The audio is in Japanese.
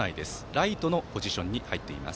ライトのポジションに入っています。